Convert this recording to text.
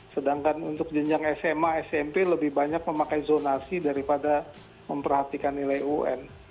sedangkan untuk jenjang sma smp lebih banyak memakai zonasi daripada memperhatikan nilai un